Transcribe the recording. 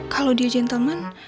kalau dia gentleman